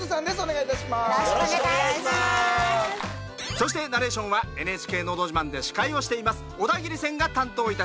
そしてナレーションは「ＮＨＫのど自慢」で司会をしています小田切千が担当いたします。